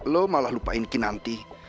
lo malah lupain kinanti